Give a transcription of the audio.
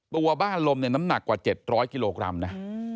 ตัวบ้านลมเนี่ยน้ำหนักกว่า๗๐๐กิโลกรัมนะ